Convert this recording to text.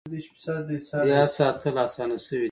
یاد ساتل اسانه شوي دي.